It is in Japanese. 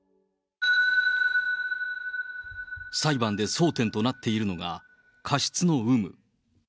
裁判で争点となっているのが、過失の有無。